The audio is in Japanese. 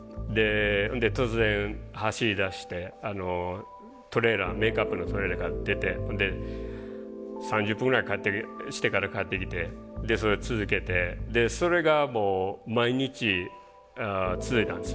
ほんで突然走りだしてトレーラーメイクアップのトレーラーから出てで３０分ぐらいしてから帰ってきてでそれを続けてそれがもう毎日続いたんです。